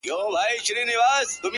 زما د تصور لاس گراني ستا پر ځــنگانـه،